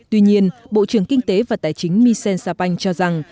tuy nhiên bộ trưởng kinh tế và tài chính michel saban cho rằng